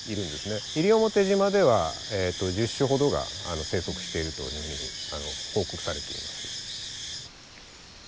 西表島では１０種ほどが生息しているというふうに報告されています。